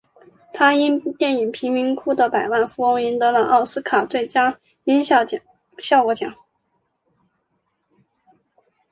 他因电影贫民窟的百万富翁赢得了奥斯卡最佳音响效果奖。